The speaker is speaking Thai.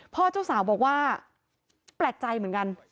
เจ้าสาวบอกว่าแปลกใจเหมือนกัน